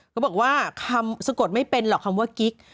เขาบอกว่าคำสะกดไม่เป็นหรอกคำว่ากิ๊ก